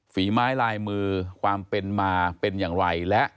ฝีไม้ลายมือความเป็นมาเป็นอย่างไรและ